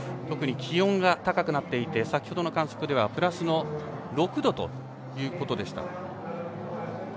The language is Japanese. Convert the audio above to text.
特に気温が高くなっていて先ほどの観測ではプラスの６度ということでした。